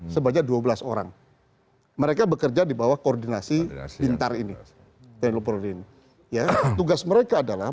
sebanyak dua belas orang mereka bekerja di bawah koordinasi pintar ini tni polri ya tugas mereka adalah